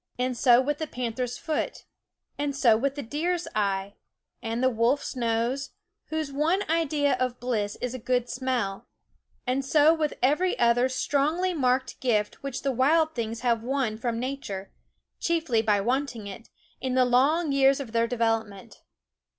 And so with the panther's foot; and so with the deer's eye, and the wolf's nose, whose one idea of bliss is a good smell ; and so with every other strongly marked gift which the wild things have won from nature, chiefly by wanting it, in the long years of their development.